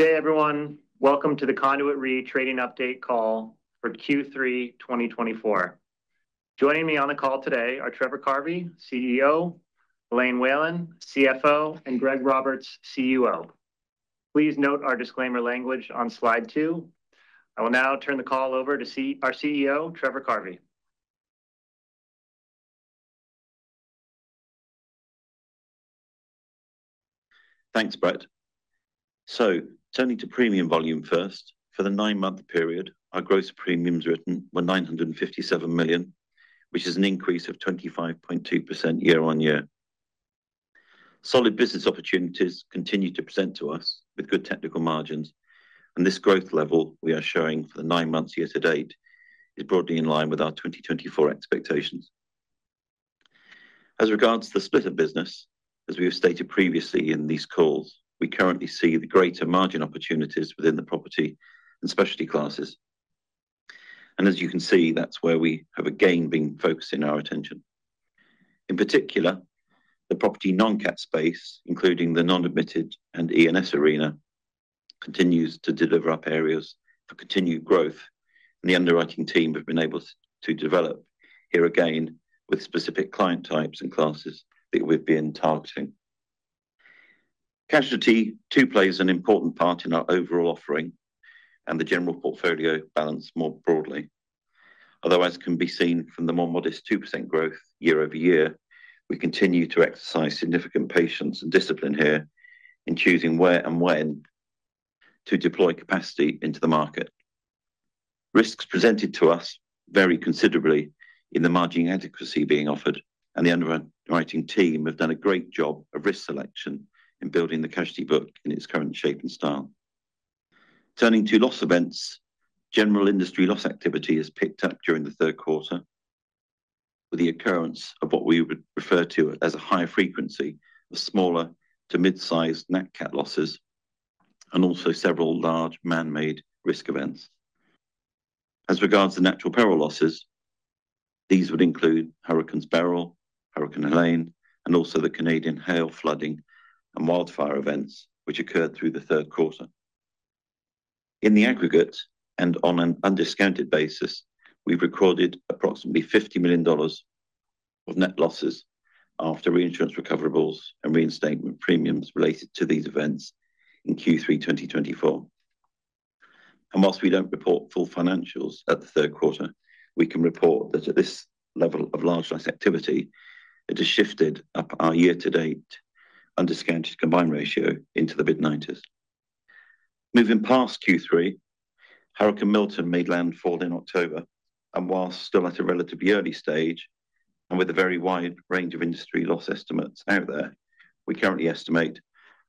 Good day, everyone. Welcome to the Conduit Re Trading Update call for Q3 2024. Joining me on the call today are Trevor Carvey, CEO; Elaine Whelan, CFO; and Greg Roberts, CUO. Please note our disclaimer language on slide two. I will now turn the call over to our CEO, Trevor Carvey. Thanks, Brett. So, turning to premium volume first, for the nine-month period, our gross premiums written were $957 million, which is an increase of 25.2% year-on-year. Solid business opportunities continue to present to us, with good technical margins, and this growth level we are showing for the nine months year-to-date is broadly in line with our 2024 expectations. As regards to the split of business, as we have stated previously in these calls, we currently see the greater margin opportunities within the property and specialty classes. And as you can see, that's where we have again been focusing our attention. In particular, the property non-cat space, including the non-admitted and E&S arena, continues to deliver up areas for continued growth, and the underwriting team have been able to develop here again with specific client types and classes that we've been targeting. Casualty, too, plays an important part in our overall offering and the general portfolio balance more broadly. Otherwise, it can be seen from the more modest 2% growth year-over-year. We continue to exercise significant patience and discipline here in choosing where and when to deploy capacity into the market. Risks presented to us vary considerably in the margin adequacy being offered, and the underwriting team have done a great job of risk selection in building the casualty book in its current shape and style. Turning to loss events, general industry loss activity has picked up during the third quarter, with the occurrence of what we would refer to as a high frequency of smaller to mid-sized nat-cat losses, and also several large man-made risk events. As regards to natural peril losses, these would include Hurricane Beryl, Hurricane Helene, and also the Canadian hail and flooding, and wildfire events which occurred through the third quarter. In the aggregate, and on an undiscounted basis, we've recorded approximately $50 million of net losses after reinsurance recoverables and reinstatement premiums related to these events in Q3 2024. And while we don't report full financials at the third quarter, we can report that at this level of large-sized activity, it has shifted up our year-to-date undiscounted combined ratio into the mid-90s. Moving past Q3, Hurricane Milton made landfall in October, and while still at a relatively early stage, and with a very wide range of industry loss estimates out there, we currently estimate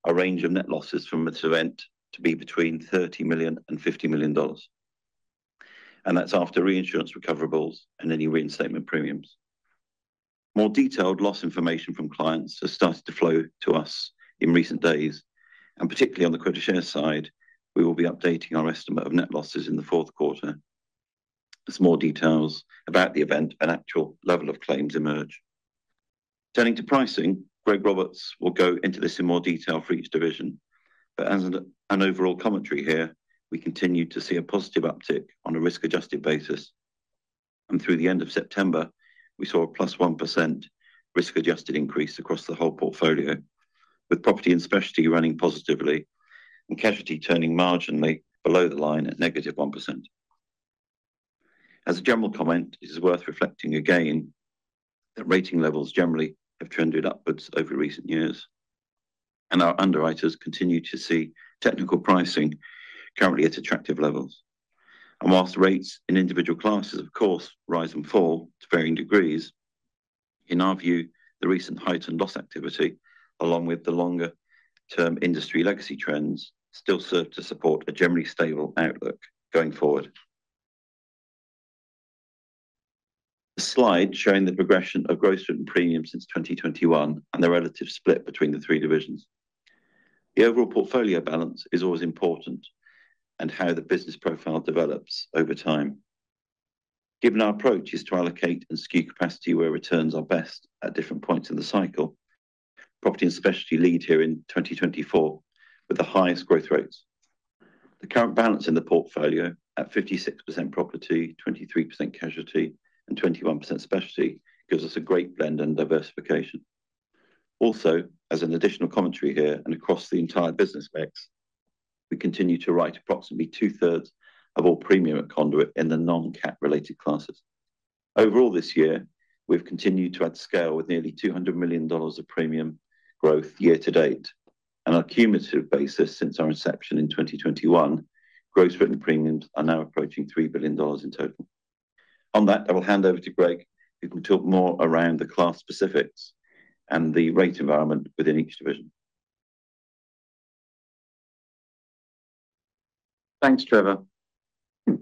a range of net losses from this event to be between $30 million and $50 million. And that's after reinsurance recoverables and any reinstatement premiums. More detailed loss information from clients has started to flow to us in recent days, and particularly on the quota share side, we will be updating our estimate of net losses in the fourth quarter as more details about the event and actual level of claims emerge. Turning to pricing, Greg Roberts will go into this in more detail for each division, but as an overall commentary here, we continue to see a positive uptick on a risk-adjusted basis, and through the end of September, we saw a +1% risk-adjusted increase across the whole portfolio, with property and specialty running positively and casualty turning marginally below the line at -1%. As a general comment, it is worth reflecting again that rating levels generally have trended upwards over recent years, and our underwriters continue to see technical pricing currently at attractive levels. While rates in individual classes, of course, rise and fall to varying degrees, in our view, the recent heightened loss activity, along with the longer-term industry legacy trends, still serve to support a generally stable outlook going forward. A slide showing the progression of gross premiums since 2021 and the relative split between the three divisions. The overall portfolio balance is always important and how the business profile develops over time. Given our approach is to allocate and skew capacity where returns are best at different points in the cycle, property and specialty lead here in 2024 with the highest growth rates. The current balance in the portfolio at 56% property, 23% casualty, and 21% specialty gives us a great blend and diversification. Also, as an additional commentary here and across the entire business mix, we continue to write approximately two-thirds of all premium at Conduit in the non-cat related classes. Overall this year, we've continued to add scale with nearly $200 million of premium growth year-to-date, and on a cumulative basis since our inception in 2021, gross written premiums are now approaching $3 billion in total. On that, I will hand over to Greg, who can talk more around the class specifics and the rate environment within each division. Thanks, Trevor.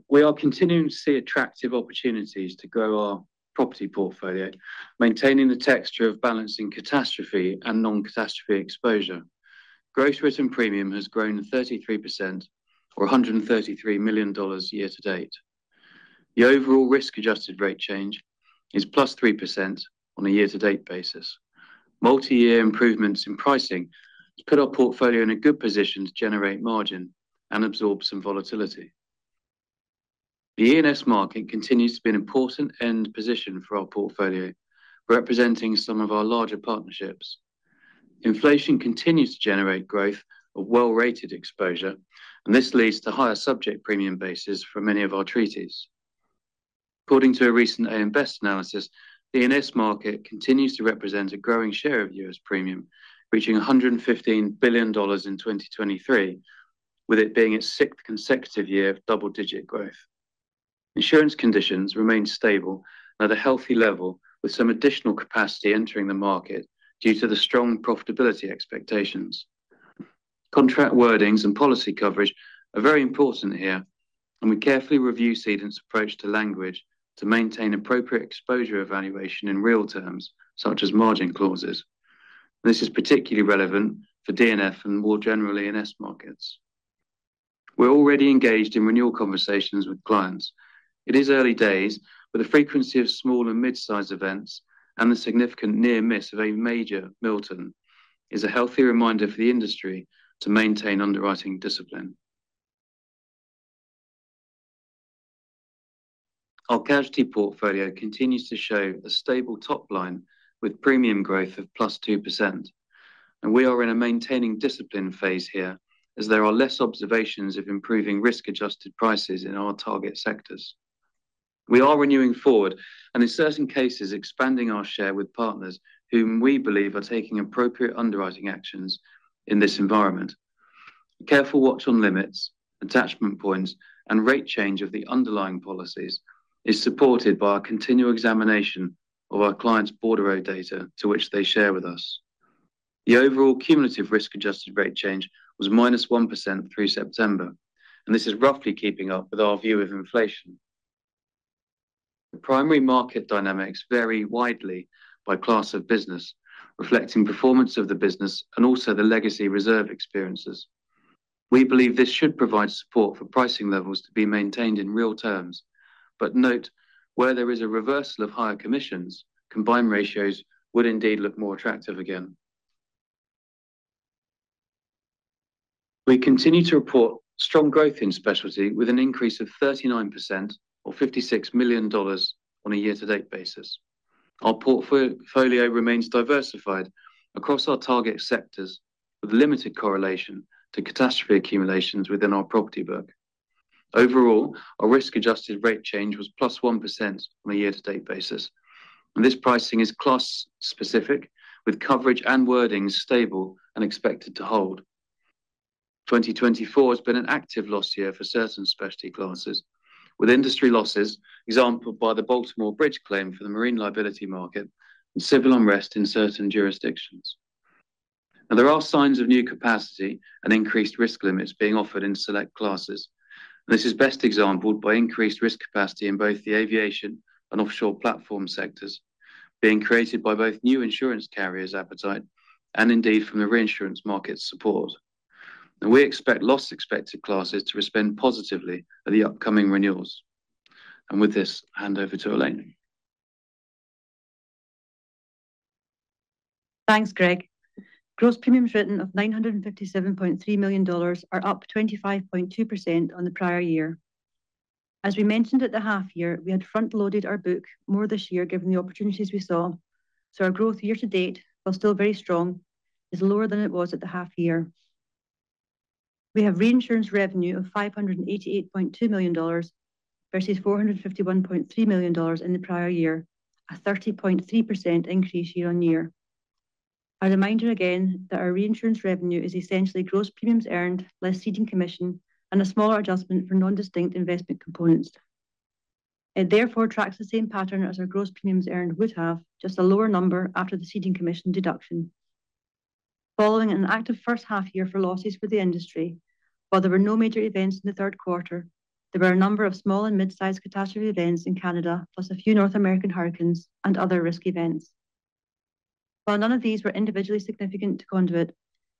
We are continuing to see attractive opportunities to grow our property portfolio, maintaining the texture of balancing catastrophe and non-catastrophe exposure. Gross written premium has grown 33%, or $133 million year-to-date. The overall risk-adjusted rate change is +3% on a year-to-date basis. Multi-year improvements in pricing put our portfolio in a good position to generate margin and absorb some volatility. The E&S market continues to be an important end position for our portfolio, representing some of our larger partnerships. Inflation continues to generate growth of well-rated exposure, and this leads to higher subject premium bases for many of our treaties. According to a recent AM Best analysis, the E&S market continues to represent a growing share of U.S. premium, reaching $115 billion in 2023, with it being its sixth consecutive year of double-digit growth. Insurance conditions remain stable at a healthy level, with some additional capacity entering the market due to the strong profitability expectations. Contract wordings and policy coverage are very important here, and we carefully review Cedent's approach to language to maintain appropriate exposure evaluation in real terms, such as margin clauses. This is particularly relevant for D&F and more general E&S markets. We're already engaged in renewal conversations with clients. It is early days, but the frequency of small and mid-sized events and the significant near-miss of a major Milton is a healthy reminder for the industry to maintain underwriting discipline. Our casualty portfolio continues to show a stable top line with premium growth of +2%, and we are in a maintaining discipline phase here as there are less observations of improving risk-adjusted prices in our target sectors. We are renewing forward and, in certain cases, expanding our share with partners whom we believe are taking appropriate underwriting actions in this environment. Careful watch on limits, attachment points, and rate change of the underlying policies is supported by our continual examination of our clients' bordereau data to which they share with us. The overall cumulative risk-adjusted rate change was -1% through September, and this is roughly keeping up with our view of inflation. The primary market dynamics vary widely by class of business, reflecting performance of the business and also the legacy reserve experiences. We believe this should provide support for pricing levels to be maintained in real terms, but note where there is a reversal of higher commissions, combined ratios would indeed look more attractive again. We continue to report strong growth in specialty with an increase of 39%, or $56 million on a year-to-date basis. Our portfolio remains diversified across our target sectors with limited correlation to catastrophe accumulations within our property book. Overall, our risk-adjusted rate change was plus 1% on a year-to-date basis, and this pricing is class-specific, with coverage and wordings stable and expected to hold. 2024 has been an active loss year for certain specialty classes, with industry losses exampled by the Baltimore Bridge claim for the marine liability market and civil unrest in certain jurisdictions. Now, there are signs of new capacity and increased risk limits being offered in select classes, and this is best exampled by increased risk capacity in both the aviation and offshore platform sectors being created by both new insurance carriers' appetite and indeed from the reinsurance market's support. And we expect loss-expected classes to respond positively at the upcoming renewals. And with this, hand over to Elaine. Thanks, Greg. Gross premiums written of $957.3 million are up 25.2% on the prior year. As we mentioned at the half-year, we had front-loaded our book more this year given the opportunities we saw, so our growth year-to-date, while still very strong, is lower than it was at the half-year. We have reinsurance revenue of $588.2 million versus $451.3 million in the prior year, a 30.3% increase year-on-year. A reminder again that our reinsurance revenue is essentially gross premiums earned less ceding commission and a smaller adjustment for non-distinct investment components. It therefore tracks the same pattern as our gross premiums earned would have, just a lower number after the ceding commission deduction. Following an active first half-year for losses for the industry, while there were no major events in the third quarter, there were a number of small and mid-sized catastrophe events in Canada, plus a few North American hurricanes and other risk events. While none of these were individually significant to Conduit,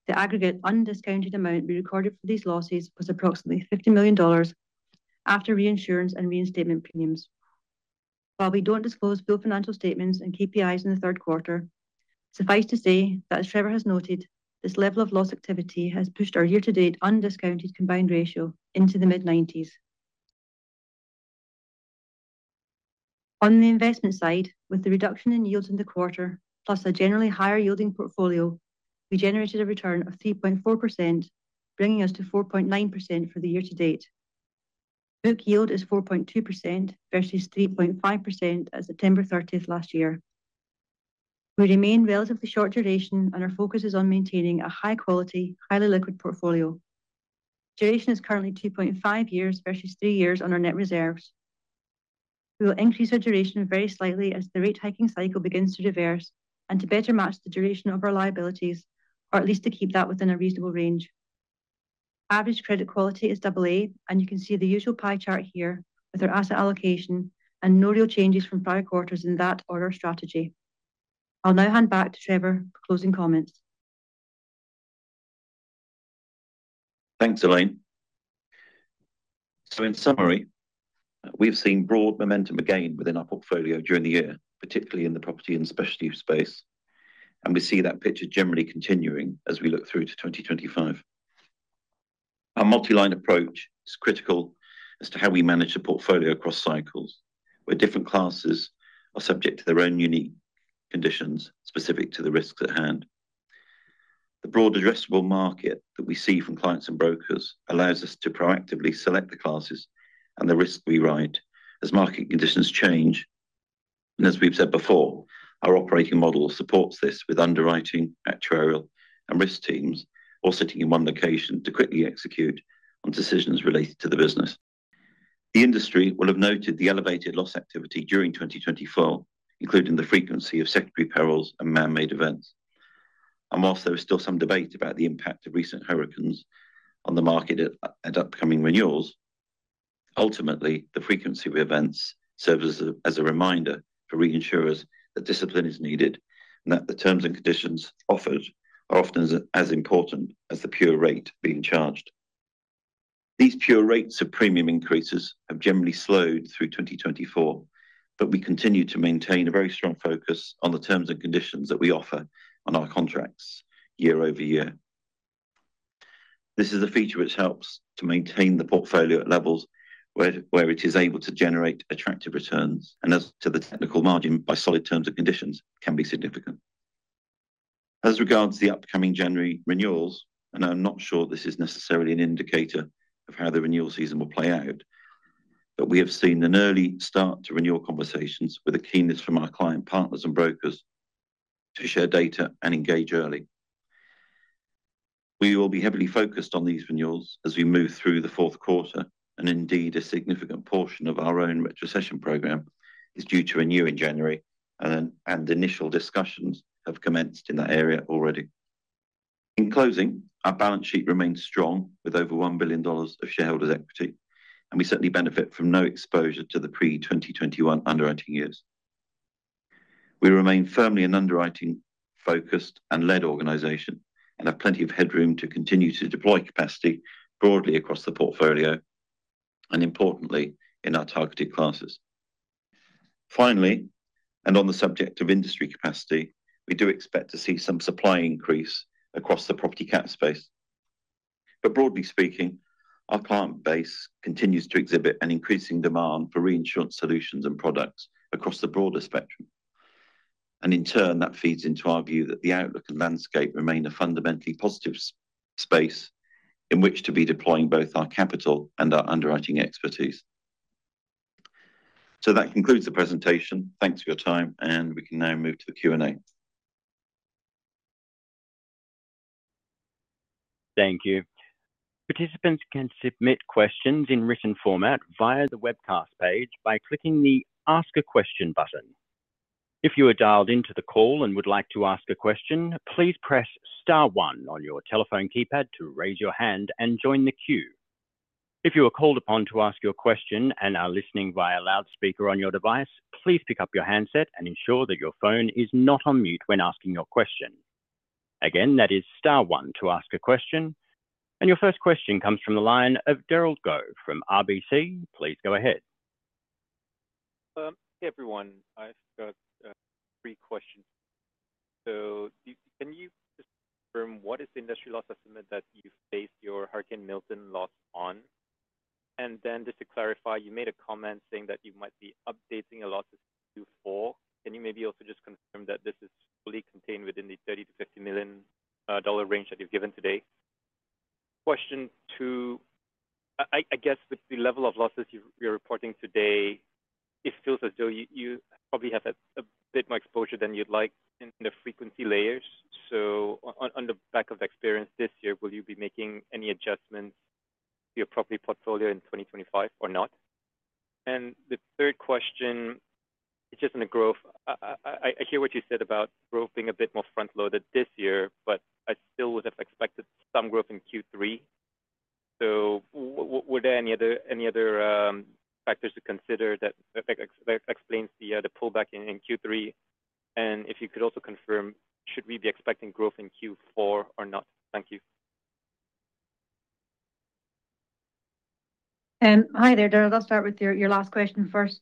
the aggregate undiscounted amount we recorded for these losses was approximately $50 million after reinsurance and reinstatement premiums. While we don't disclose full financial statements and KPIs in the third quarter, suffice to say that, as Trevor has noted, this level of loss activity has pushed our year-to-date undiscounted combined ratio into the mid-90s. On the investment side, with the reduction in yields in the quarter, plus a generally higher yielding portfolio, we generated a return of 3.4%, bringing us to 4.9% for the year-to-date. Book yield is 4.2% versus 3.5% at September 30th last year. We remain relatively short duration, and our focus is on maintaining a high-quality, highly liquid portfolio. Duration is currently 2.5 years versus three years on our net reserves. We will increase our duration very slightly as the rate hiking cycle begins to reverse and to better match the duration of our liabilities, or at least to keep that within a reasonable range. Average credit quality is AA, and you can see the usual pie chart here with our asset allocation and no real changes from prior quarters in that or our strategy. I'll now hand back to Trevor for closing comments. Thanks, Elaine. So in summary, we've seen broad momentum again within our portfolio during the year, particularly in the property and specialty space, and we see that picture generally continuing as we look through to 2025. Our multi-line approach is critical as to how we manage the portfolio across cycles, where different classes are subject to their own unique conditions specific to the risks at hand. The broad addressable market that we see from clients and brokers allows us to proactively select the classes and the risks we write as market conditions change. And as we've said before, our operating model supports this with underwriting, actuarial, and risk teams all sitting in one location to quickly execute on decisions related to the business. The industry will have noted the elevated loss activity during 2024, including the frequency of secondary perils and man-made events. While there is still some debate about the impact of recent hurricanes on the market at upcoming renewals, ultimately, the frequency of events serves as a reminder for reinsurers that discipline is needed and that the terms and conditions offered are often as important as the pure rate being charged. These pure rates of premium increases have generally slowed through 2024, but we continue to maintain a very strong focus on the terms and conditions that we offer on our contracts year over year. This is a feature which helps to maintain the portfolio at levels where it is able to generate attractive returns and as to the technical margin by solid terms and conditions can be significant. As regards the upcoming January renewals, and I'm not sure this is necessarily an indicator of how the renewal season will play out, but we have seen an early start to renewal conversations with a keenness from our client partners and brokers to share data and engage early. We will be heavily focused on these renewals as we move through the fourth quarter, and indeed a significant portion of our own retrocession program is due to renew in January, and initial discussions have commenced in that area already. In closing, our balance sheet remains strong with over $1 billion of shareholders' equity, and we certainly benefit from no exposure to the pre-2021 underwriting years. We remain firmly an underwriting-focused and led organization and have plenty of headroom to continue to deploy capacity broadly across the portfolio and, importantly, in our targeted classes. Finally, and on the subject of industry capacity, we do expect to see some supply increase across the property cat space, but broadly speaking, our client base continues to exhibit an increasing demand for reinsurance solutions and products across the broader spectrum, and in turn, that feeds into our view that the outlook and landscape remain a fundamentally positive space in which to be deploying both our capital and our underwriting expertise, so that concludes the presentation. Thanks for your time, and we can now move to the Q&A. Thank you. Participants can submit questions in written format via the webcast page by clicking the Ask a Question button. If you are dialed into the call and would like to ask a question, please press star one on your telephone keypad to raise your hand and join the queue. If you are called upon to ask your question and are listening via loudspeaker on your device, please pick up your handset and ensure that your phone is not on mute when asking your question. Again, that is star one to ask a question. And your first question comes from the line of Derald Goh from RBC. Please go ahead. Hey, everyone. I've got three questions. So can you just confirm what is the industry loss estimate that you've based your Hurricane Milton loss on? And then just to clarify, you made a comment saying that you might be updating a loss to four. Can you maybe also just confirm that this is fully contained within the $30 million-$50 million range that you've given today? Question two, I guess with the level of losses you're reporting today, it feels as though you probably have a bit more exposure than you'd like in the frequency layers. So on the back of experience this year, will you be making any adjustments to your property portfolio in 2025 or not? And the third question, it's just on the growth. I hear what you said about growth being a bit more front-loaded this year, but I still would have expected some growth in Q3. So were there any other factors to consider that explain the pullback in Q3? And if you could also confirm, should we be expecting growth in Q4 or not? Thank you. Hi, there. Derald, I'll start with your last question first.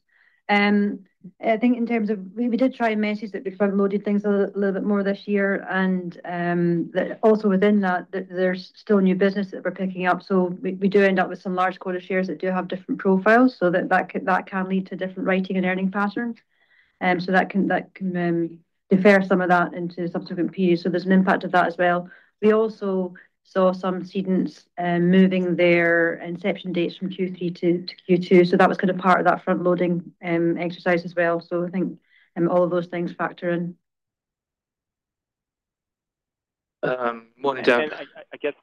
I think in terms of we did try and manage it before we loaded things a little bit more this year, and also within that, there's still new business that we're picking up. So we do end up with some large quota shares that do have different profiles, so that can lead to different writing and earning patterns. So that can defer some of that into subsequent periods. So there's an impact of that as well. We also saw some cedents moving their inception dates from Q3 to Q2. So that was kind of part of that front-loading exercise as well. So I think all of those things factor in. One down. I guess.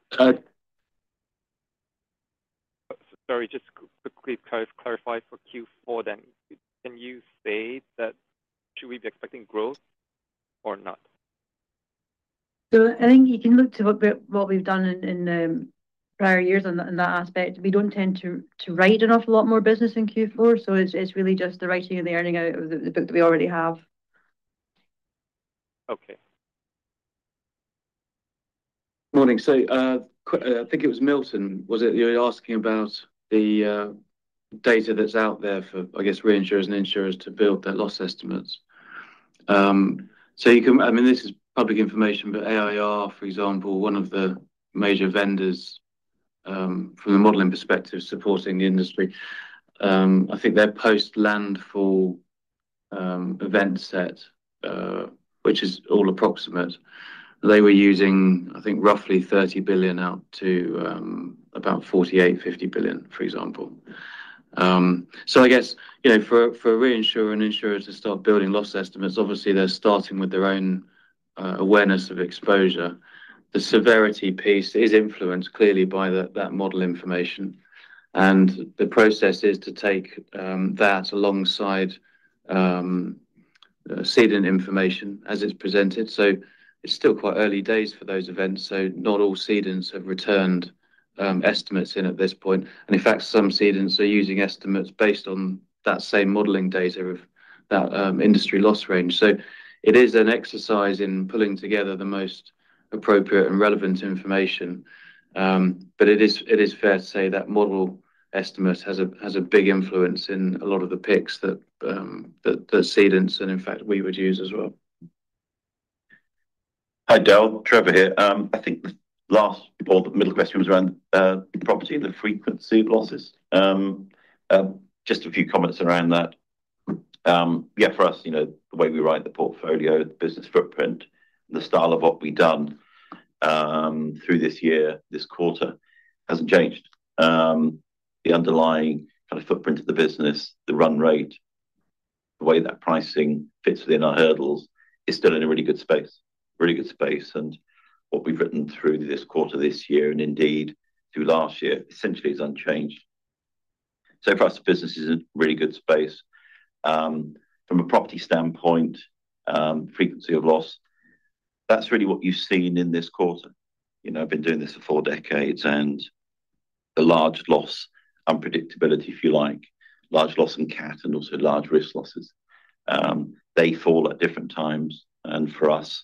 Sorry, just quickly clarify for Q4 then. Can you say that should we be expecting growth or not? So I think you can look to what we've done in prior years on that aspect. We don't tend to write an awful lot more business in Q4, so it's really just the writing and the earning out of the book that we already have. Okay. Morning. So I think it was Milton, was it? You were asking about the data that's out there for, I guess, reinsurers and insurers to build their loss estimates. So I mean, this is public information, but AIR, for example, one of the major vendors from the modeling perspective supporting the industry. I think their post-landfall event set, which is all approximate, they were using, I think, roughly $30 billion out to about $48 billion-$50 billion, for example. So I guess for a reinsurer and insurer to start building loss estimates, obviously, they're starting with their own awareness of exposure. The severity piece is influenced clearly by that model information. And the process is to take that alongside ceding information as it's presented. So it's still quite early days for those events. So not all cedents have returned estimates in at this point. And in fact, some cedents are using estimates based on that same modeling data of that industry loss range. So it is an exercise in pulling together the most appropriate and relevant information. But it is fair to say that model estimate has a big influence in a lot of the picks that cedents and, in fact, we would use as well. Hi, Del. Trevor here. I think the last or the middle question was around the property, the frequency of losses. Just a few comments around that. Yeah, for us, the way we write the portfolio, the business footprint, the style of what we've done through this year, this quarter hasn't changed. The underlying kind of footprint of the business, the run rate, the way that pricing fits within our hurdles is still in a really good space, really good space. And what we've written through this quarter this year and indeed through last year essentially is unchanged. So for us, the business is in a really good space. From a property standpoint, frequency of loss, that's really what you've seen in this quarter. I've been doing this for four decades, and the large loss unpredictability, if you like, large loss and cat and also large risk losses, they fall at different times. And for us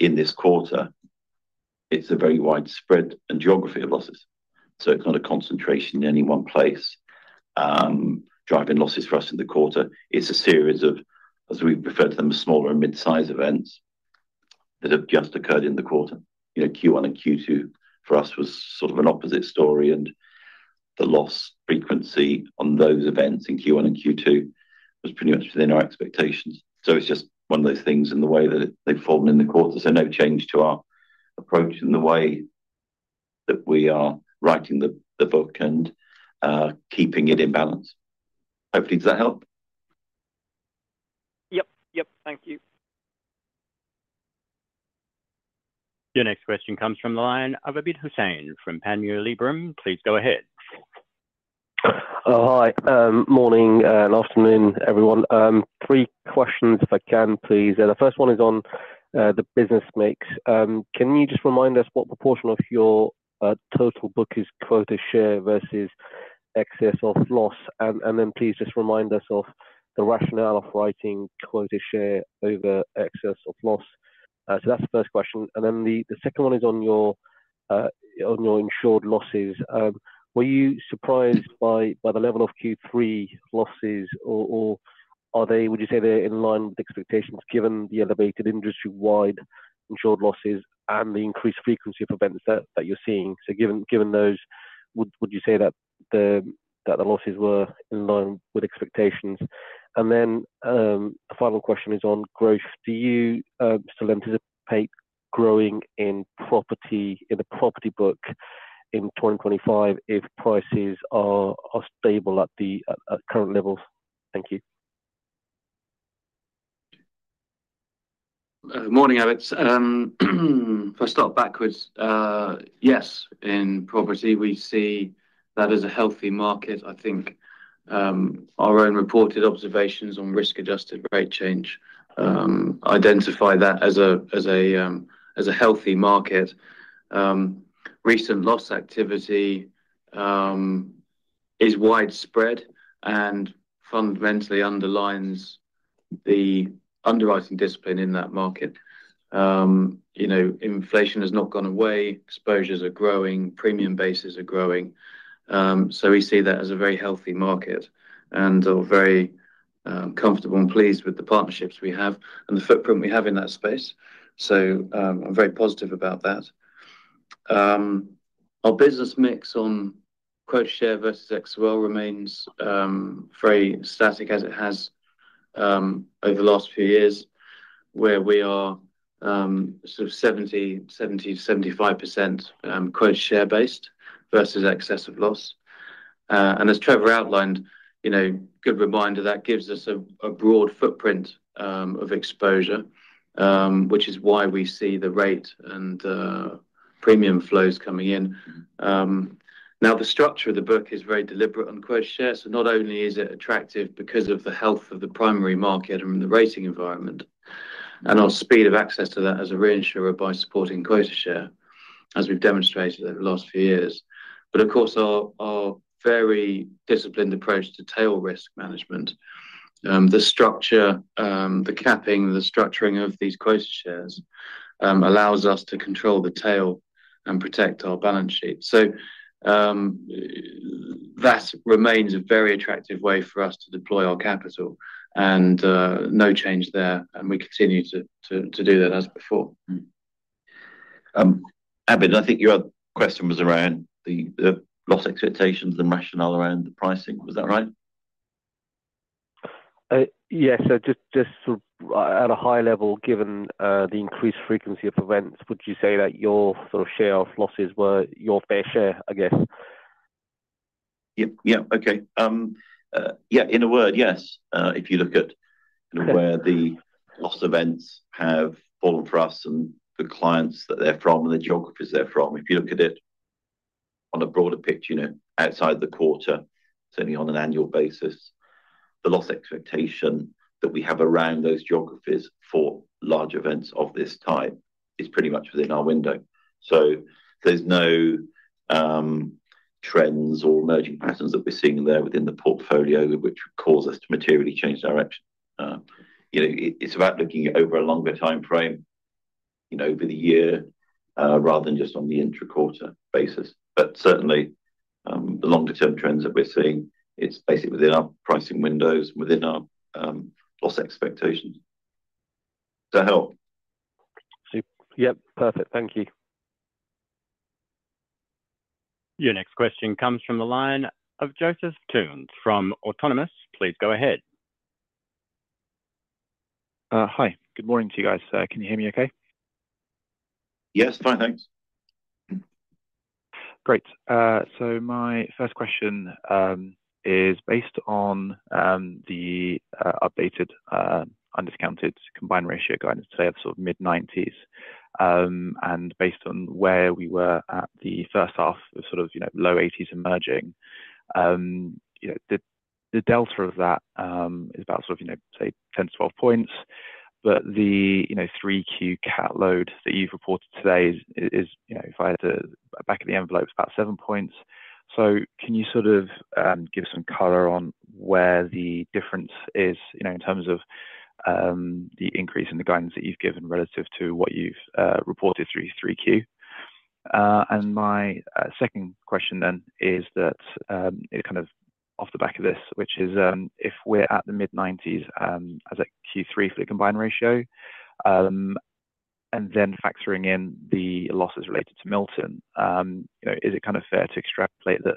in this quarter, it's a very widespread geography of losses. So it's not a concentration in any one place driving losses for us in the quarter. It's a series of, as we refer to them, smaller and mid-size events that have just occurred in the quarter. Q1 and Q2 for us was sort of an opposite story. And the loss frequency on those events in Q1 and Q2 was pretty much within our expectations. So it's just one of those things in the way that they've fallen in the quarter. So no change to our approach in the way that we are writing the book and keeping it in balance. Hopefully, does that help? Yep. Yep. Thank you. Your next question comes from the line of Abid Hussain from Panmure Liberum. Please go ahead. Hi. Morning and afternoon, everyone. Three questions, if I can, please. The first one is on the business mix. Can you just remind us what proportion of your total book is quota share versus excess of loss? And then please just remind us of the rationale of writing quota share over excess of loss. So that's the first question. And then the second one is on your insured losses. Were you surprised by the level of Q3 losses, or would you say they're in line with expectations given the elevated industry-wide insured losses and the increased frequency of events that you're seeing? So given those, would you say that the losses were in line with expectations? And then the final question is on growth. Do you still anticipate growing in the property book in 2025 if prices are stable at the current levels? Thank you. Good morning, Abid. If I start backwards, yes, in property, we see that as a healthy market. I think our own reported observations on risk-adjusted rate change identify that as a healthy market. Recent loss activity is widespread and fundamentally underlines the underwriting discipline in that market. Inflation has not gone away. Exposures are growing. Premium bases are growing. So we see that as a very healthy market and are very comfortable and pleased with the partnerships we have and the footprint we have in that space. So I'm very positive about that. Our business mix on quota share versus XOL remains very static as it has over the last few years, where we are sort of 70%-75% quota share-based versus excess of loss. And as Trevor outlined, good reminder, that gives us a broad footprint of exposure, which is why we see the rate and premium flows coming in. Now, the structure of the book is very deliberate on quota share. So not only is it attractive because of the health of the primary market and the rating environment and our speed of access to that as a reinsurer by supporting quota share, as we've demonstrated over the last few years, but of course, our very disciplined approach to tail risk management, the structure, the capping, the structuring of these quota shares allows us to control the tail and protect our balance sheet, so that remains a very attractive way for us to deploy our capital, and no change there, and we continue to do that as before. Abid, I think your question was around the loss expectations and rationale around the pricing. Was that right? Yes. Just sort of at a high level, given the increased frequency of events, would you say that your sort of share of losses were your fair share, I guess? Yep. Yep. Okay. Yeah. In a word, yes. If you look at where the loss events have fallen for us and the clients that they're from and the geographies they're from, if you look at it on a broader picture, outside the quarter, certainly on an annual basis, the loss expectation that we have around those geographies for large events of this type is pretty much within our window. So there's no trends or emerging patterns that we're seeing there within the portfolio which would cause us to materially change direction. It's about looking over a longer time frame, over the year, rather than just on the intra-quarter basis. But certainly, the longer-term trends that we're seeing, it's basically within our pricing windows and within our loss expectations. Does that help? Yep. Perfect. Thank you. Your next question comes from the line of Joseph Theuns from Autonomous. Please go ahead. Hi. Good morning to you guys. Can you hear me okay? Yes. Fine. Thanks. Great. So my first question is based on the updated undiscounted combined ratio guidance today of sort of mid-90s. And based on where we were at the first half of sort of low-80s emerging, the delta of that is about sort of, say, 10-12 points. But the 3Q cat load that you've reported today is, if I had to back-of-the-envelope, it's about seven points. So can you sort of give some color on where the difference is in terms of the increase in the guidance that you've given relative to what you've reported through 3Q? My second question then is that kind of off the back of this, which is if we're at the mid-90s as a Q3 for the combined ratio, and then factoring in the losses related to Milton, is it kind of fair to extrapolate that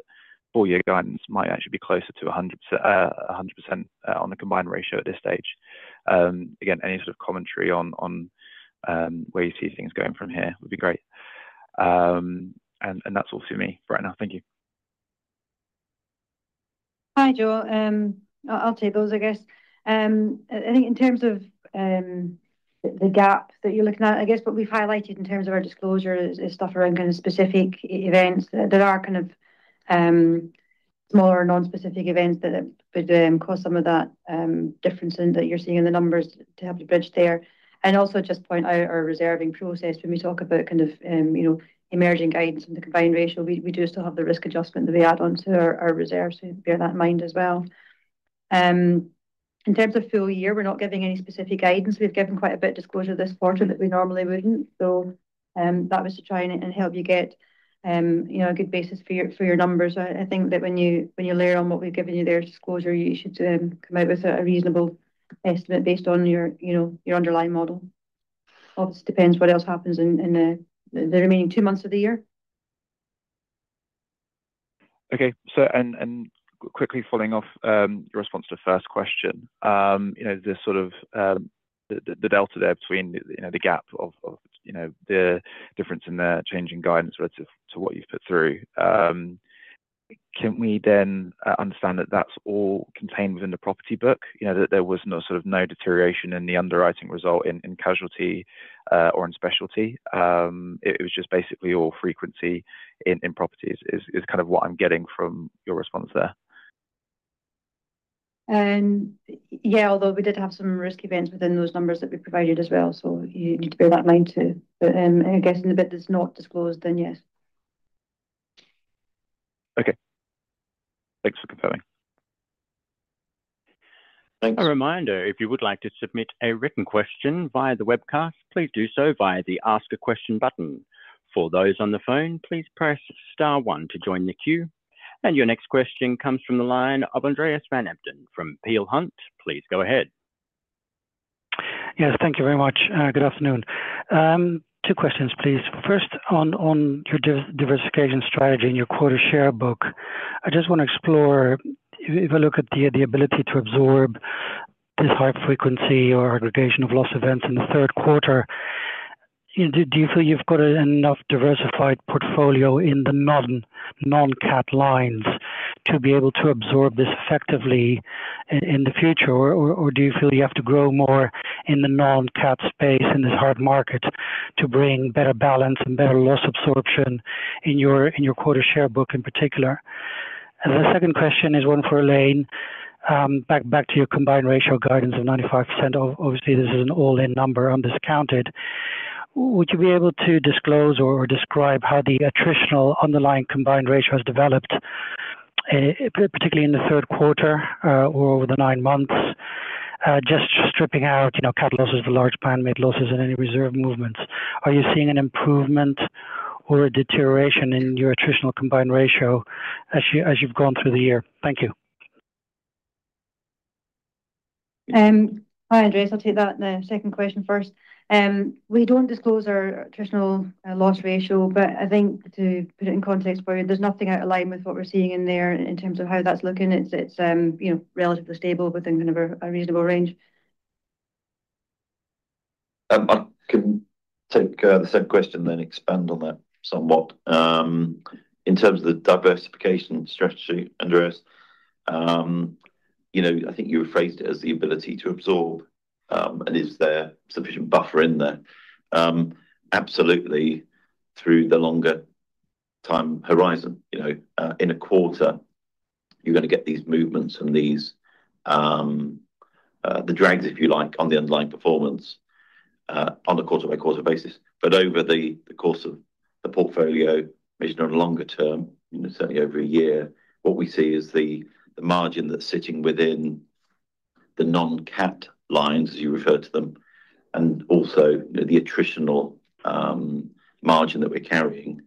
all your guidance might actually be closer to 100% on the combined ratio at this stage? Again, any sort of commentary on where you see things going from here would be great. That's all for me for right now. Thank you. Hi, Joe. I'll take those, I guess. I think in terms of the gap that you're looking at, I guess what we've highlighted in terms of our disclosure is stuff around kind of specific events. There are kind of smaller non-specific events that would cause some of that difference in that you're seeing in the numbers to help you bridge there, and also just point out our reserving process when we talk about kind of emerging guidance on the combined ratio. We do still have the risk adjustment that we add on to our reserves, so bear that in mind as well. In terms of full year, we're not giving any specific guidance. We've given quite a bit of disclosure this quarter that we normally wouldn't, so that was to try and help you get a good basis for your numbers. I think that when you layer on what we've given you there as disclosure, you should come out with a reasonable estimate based on your underlying model. Obviously, it depends what else happens in the remaining two months of the year. Okay. And quickly following off your response to the first question, the sort of delta there between the gap of the difference in the changing guidance relative to what you've put through, can we then understand that that's all contained within the property book, that there was sort of no deterioration in the underwriting result in casualty or in specialty? It was just basically all frequency in properties is kind of what I'm getting from your response there. Yeah. Although we did have some risk events within those numbers that we provided as well. So you need to bear that in mind too. But I guess in the bit that's not disclosed, then yes. Okay. Thanks for confirming. Thanks. A reminder, if you would like to submit a written question via the webcast, please do so via the Ask a Question button. For those on the phone, please press star one to join the queue. And your next question comes from the line of Andreas van Embden from Peel Hunt. Please go ahead. Yes. Thank you very much. Good afternoon. Two questions, please. First, on your diversification strategy and your quota share book, I just want to explore if I look at the ability to absorb this high frequency or aggregation of loss events in the third quarter, do you feel you've got enough diversified portfolio in the non-cat lines to be able to absorb this effectively in the future? Or do you feel you have to grow more in the non-cat space in this hard market to bring better balance and better loss absorption in your quota share book in particular? The second question is one for Elaine. Back to your combined ratio guidance of 95%, obviously, this is an all-in number undiscounted. Would you be able to disclose or describe how the attritional underlying combined ratio has developed, particularly in the third quarter or over the nine months, just stripping out cat losses, the large man-made losses, and any reserve movements? Are you seeing an improvement or a deterioration in your attritional combined ratio as you've gone through the year? Thank you. Hi, Andreas. I'll take that second question first. We don't disclose our attritional loss ratio, but I think to put it in context for you, there's nothing out of line with what we're seeing in there in terms of how that's looking. It's relatively stable within kind of a reasonable range. I can take the second question and then expand on that somewhat. In terms of the diversification strategy, Andreas, I think you phrased it as the ability to absorb, and is there sufficient buffer in there? Absolutely, through the longer time horizon, in a quarter, you're going to get these movements and the drags, if you like, on the underlying performance on a quarter-by-quarter basis. But over the course of the portfolio, measured on a longer term, certainly over a year, what we see is the margin that's sitting within the non-cat lines, as you refer to them, and also the attritional margin that we're carrying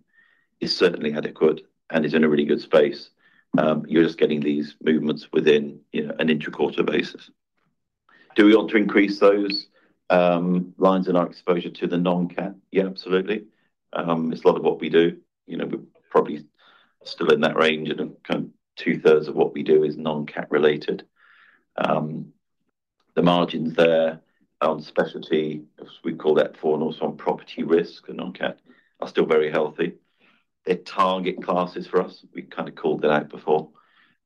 is certainly adequate and is in a really good space. You're just getting these movements within an intra-quarter basis. Do we want to increase those lines in our exposure to the non-cat? Yeah, absolutely. It's a lot of what we do. We're probably still in that range, and kind of two-thirds of what we do is non-cat related. The margins there on specialty, we call that foreign also on property risk and non-cat, are still very healthy. They're target classes for us. We kind of called that out before.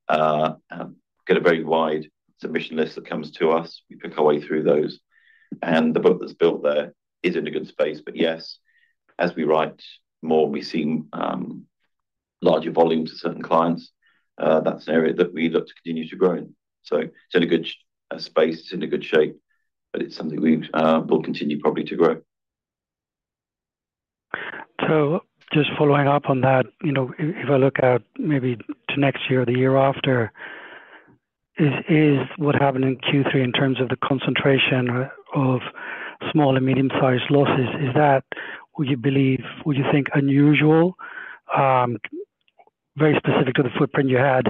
We've got a very wide submission list that comes to us. We pick our way through those, and the book that's built there is in a good space, but yes, as we write more, we've seen larger volumes to certain clients. That's an area that we look to continue to grow in, so it's in a good space. It's in a good shape, but it's something we will continue probably to grow. So just following up on that, if I look at maybe to next year or the year after, is what happened in Q3 in terms of the concentration of small and medium-sized losses, would you think unusual, very specific to the footprint you had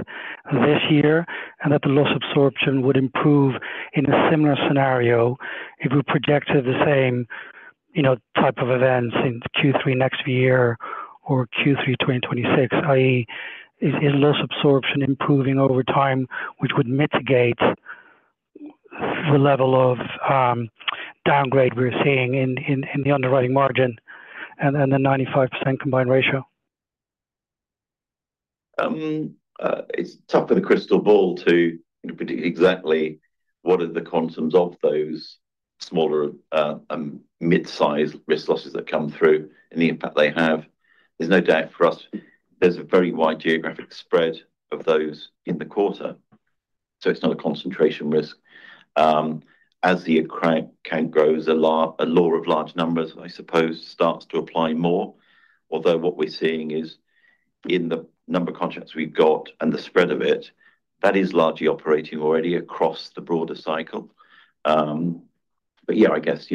this year, and that the loss absorption would improve in a similar scenario if we projected the same type of events in Q3 next year or Q3 2026? I mean, is loss absorption improving over time, which would mitigate the level of downgrade we're seeing in the underwriting margin and the 95% combined ratio? It's tough with a crystal ball to predict exactly what are the quantums of those smaller and mid-sized risk losses that come through and the impact they have. There's no doubt for us, there's a very wide geographic spread of those in the quarter. So it's not a concentration risk. As the account grows, a law of large numbers, I suppose, starts to apply more. Although what we're seeing is in the number of contracts we've got and the spread of it, that is largely operating already across the broader cycle. But yeah, I guess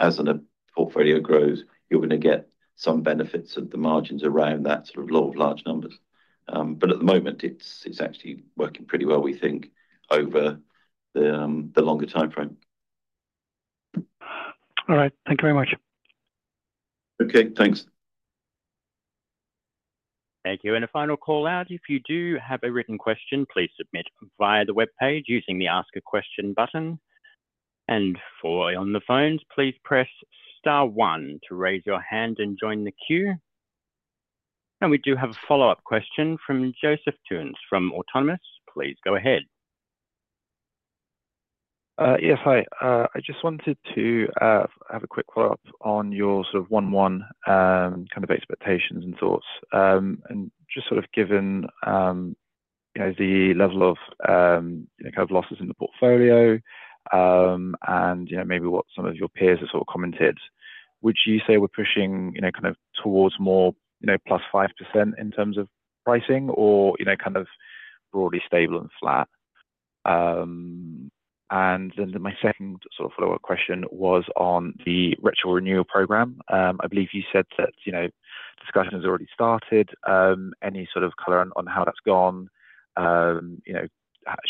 as the portfolio grows, you're going to get some benefits of the margins around that sort of law of large numbers. But at the moment, it's actually working pretty well, we think, over the longer time frame. All right. Thank you very much. Okay. Thanks. Thank you. And a final call-out. If you do have a written question, please submit via the web page using the Ask a Question button. And for those on the phones, please press star one to raise your hand and join the queue. And we do have a follow-up question from Joseph Theuns from Autonomous. Please go ahead. Yes. Hi. I just wanted to have a quick follow-up on your sort of one-on-one kind of expectations and thoughts. And just sort of given the level of kind of losses in the portfolio and maybe what some of your peers have sort of commented, would you say we're pushing kind of towards more +5% in terms of pricing or kind of broadly stable and flat? And then my second sort of follow-up question was on the retro renewal program. I believe you said that discussion has already started. Any sort of color on how that's gone? How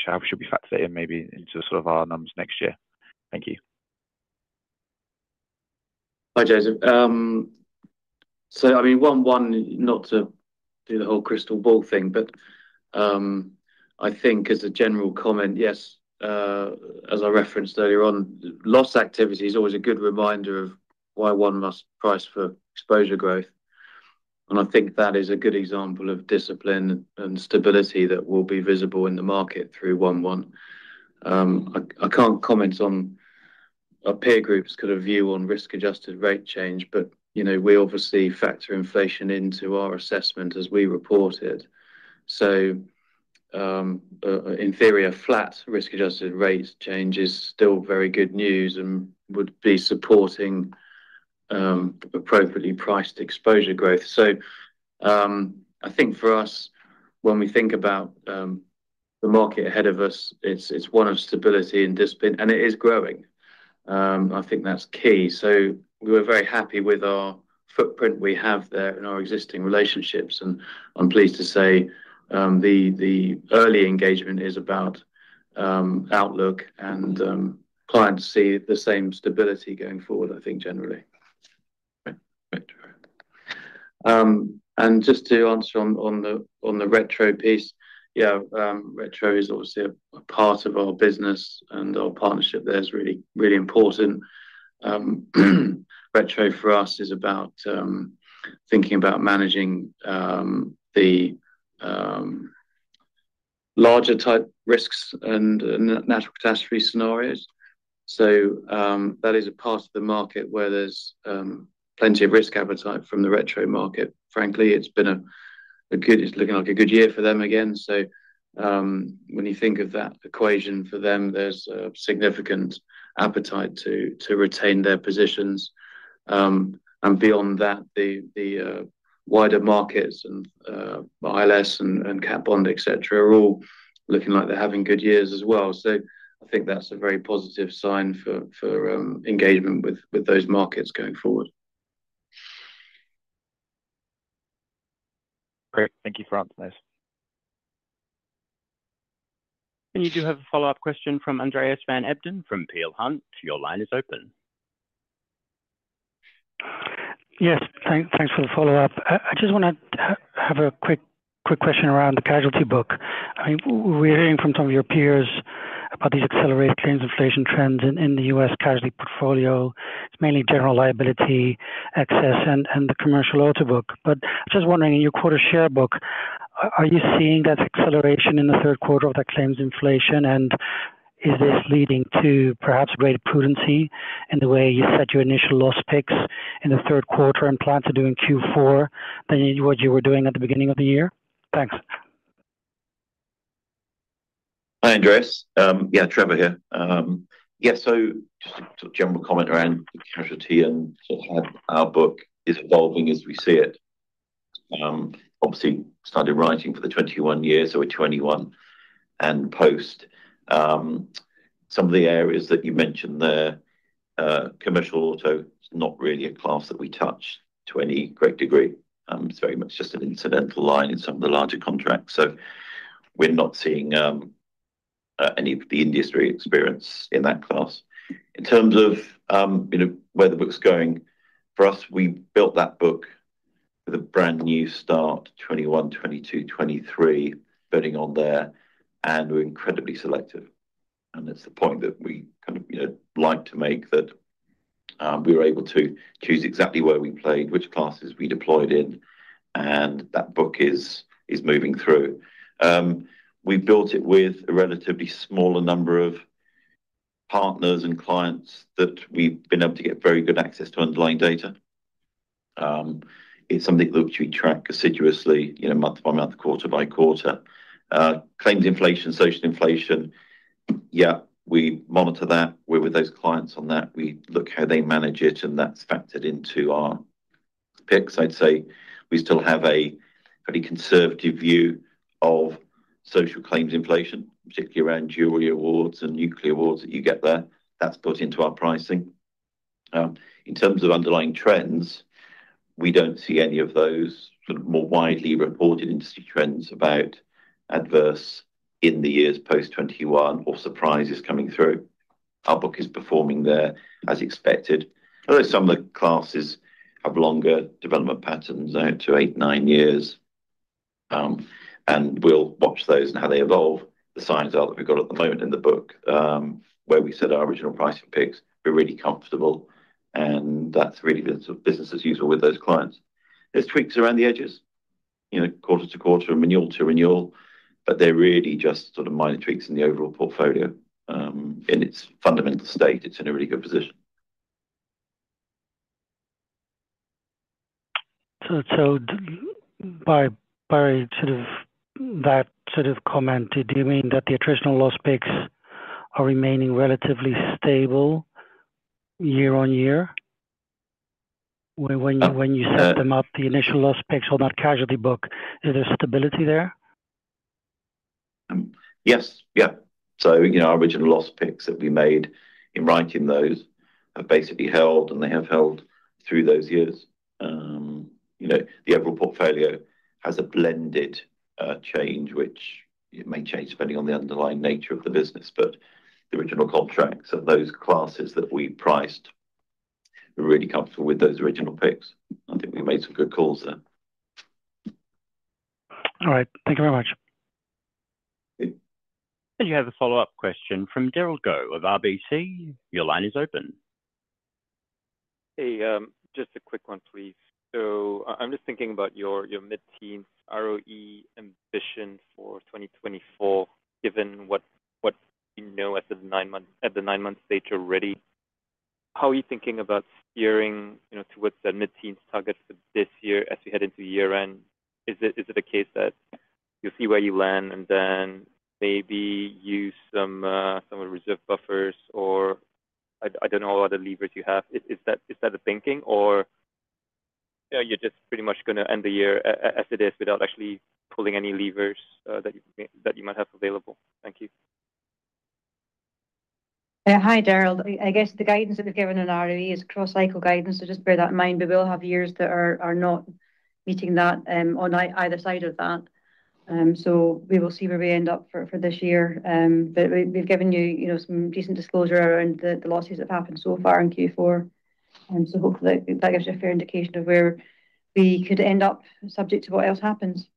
should we factor that in maybe into sort of our numbers next year? Thank you. Hi, Joseph. So I mean, 2024, not to do the whole crystal ball thing, but I think as a general comment, yes, as I referenced earlier on, loss activity is always a good reminder of why one must price for exposure growth. And I think that is a good example of discipline and stability that will be visible in the market through 2024. I can't comment on a peer group's kind of view on risk-adjusted rate change, but we obviously factor inflation into our assessment as we report it. So in theory, a flat risk-adjusted rate change is still very good news and would be supporting appropriately priced exposure growth. So I think for us, when we think about the market ahead of us, it's one of stability and discipline, and it is growing. I think that's key. We're very happy with our footprint we have there in our existing relationships. And I'm pleased to say the early engagement is about outlook, and clients see the same stability going forward, I think, generally. And just to answer on the retro piece, yeah, retro is obviously a part of our business, and our partnership there is really, really important. Retro for us is about thinking about managing the larger-type risks and natural catastrophe scenarios. So that is a part of the market where there's plenty of risk appetite from the retro market. Frankly, it's looking like a good year for them again. So when you think of that equation for them, there's a significant appetite to retain their positions. And beyond that, the wider markets and ILS and Cat Bond, etc., are all looking like they're having good years as well. I think that's a very positive sign for engagement with those markets going forward. Great. Thank you for answering those. And you do have a follow-up question from Andreas van Embden from Peel Hunt. Your line is open. Yes. Thanks for the follow-up. I just want to have a quick question around the casualty book. I mean, we're hearing from some of your peers about these accelerated inflation trends in the U.S. casualty portfolio. It's mainly general liability excess and the commercial auto book. But I'm just wondering, in your quota share book, are you seeing that acceleration in the third quarter of that claims inflation? And is this leading to perhaps greater prudency in the way you set your initial loss picks in the third quarter and plan to do in Q4 than what you were doing at the beginning of the year? Thanks. Hi, Andreas. Yeah, Trevor here. Yeah. So just a general comment around the casualty and sort of how our book is evolving as we see it. Obviously, started writing for the 2021 years, so we're 2021 end post. Some of the areas that you mentioned there, commercial auto is not really a class that we touch to any great degree. It's very much just an incidental line in some of the larger contracts. So we're not seeing any of the industry experience in that class. In terms of where the book's going, for us, we built that book with a brand new start, 2021, 2022, 2023, betting on that, and we're incredibly selective. And that's the point that we kind of like to make that we were able to choose exactly where we played, which classes we deployed in, and that book is moving through. We built it with a relatively smaller number of partners and clients that we've been able to get very good access to underlying data. It's something that we track assiduously, month by month, quarter by quarter. Claims inflation, social inflation, yeah, we monitor that. We're with those clients on that. We look how they manage it, and that's factored into our picks, I'd say. We still have a pretty conservative view of social claims inflation, particularly around jury awards and nuclear awards that you get there. That's built into our pricing. In terms of underlying trends, we don't see any of those sort of more widely reported industry trends about adverse development in the years post 2021 or surprises coming through. Our book is performing there as expected. Although some of the classes have longer development patterns out to eight, nine years, and we'll watch those and how they evolve. The signs are that we've got at the moment in the book where we set our original pricing picks. We're really comfortable, and that's really been sort of business as usual with those clients. There's tweaks around the edges, quarter to quarter and renewal to renewal, but they're really just sort of minor tweaks in the overall portfolio. In its fundamental state, it's in a really good position. So by sort of that sort of comment, do you mean that the attritional loss picks are remaining relatively stable year on year? When you set them up, the initial loss picks on that casualty book, is there stability there? Yes. Yeah. So our original loss picks that we made in writing those have basically held, and they have held through those years. The overall portfolio has a blended change, which may change depending on the underlying nature of the business. But the original contracts of those classes that we priced, we're really comfortable with those original picks. I think we made some good calls there. All right. Thank you very much. You have a follow-up question from Derald Goh of RBC. Your line is open. Hey, just a quick one, please. So I'm just thinking about your mid-teens ROE ambition for 2024, given what we know at the nine-month stage already. How are you thinking about steering towards that mid-teens target for this year as we head into year-end? Is it a case that you'll see where you land and then maybe use some reserve buffers or, I don't know, all other levers you have? Is that the thinking, or are you just pretty much going to end the year as it is without actually pulling any levers that you might have available? Thank you. Hi, Derald. I guess the guidance that we've given in ROE is cross-cycle guidance. So just bear that in mind. We will have years that are not meeting that on either side of that. So we will see where we end up for this year. But we've given you some decent disclosure around the losses that have happened so far in Q4. And so hopefully, that gives you a fair indication of where we could end up subject to what else happens.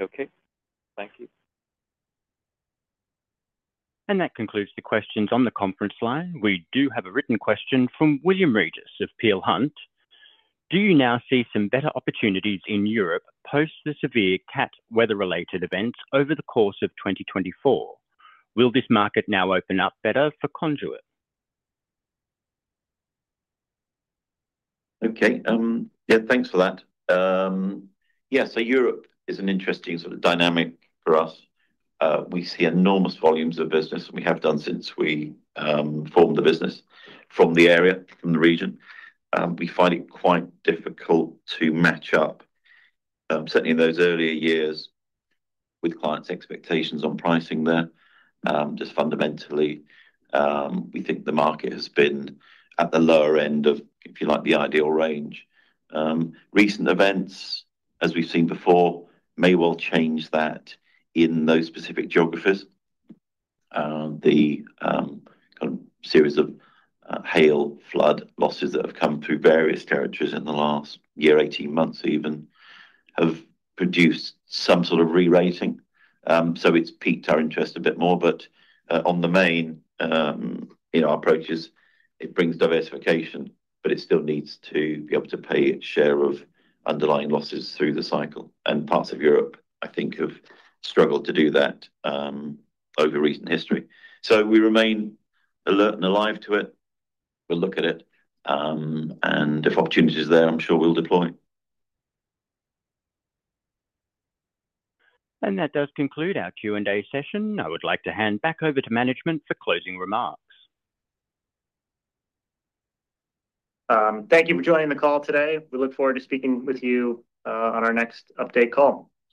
Okay. Thank you. And that concludes the questions on the conference line. We do have a written question from Will Regis of Peel Hunt. Do you now see some better opportunities in Europe post the severe cat weather-related events over the course of 2024? Will this market now open up better for Conduit? Okay. Yeah, thanks for that. Yeah, so Europe is an interesting sort of dynamic for us. We see enormous volumes of business, and we have done since we formed the business from the area, from the region. We find it quite difficult to match up, certainly in those earlier years, with clients' expectations on pricing there. Just fundamentally, we think the market has been at the lower end of, if you like, the ideal range. Recent events, as we've seen before, may well change that in those specific geographies. The kind of series of hail, flood losses that have come through various territories in the last year, 18 months even, have produced some sort of re-rating, so it's piqued our interest a bit more, but on the main approaches, it brings diversification, but it still needs to be able to pay its share of underlying losses through the cycle. And parts of Europe, I think, have struggled to do that over recent history. So we remain alert and alive to it. We'll look at it. And if opportunity is there, I'm sure we'll deploy. That does conclude our Q&A session. I would like to hand back over to management for closing remarks. Thank you for joining the call today. We look forward to speaking with you on our next update call.